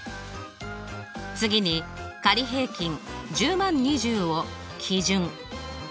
次に仮平均１０万２０を基準